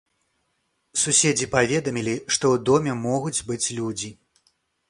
Суседзі паведамілі, што ў доме могуць быць людзі.